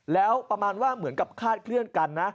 แล้วประมาณว่าเหมือนกับคาดเคลื่อนกันนะ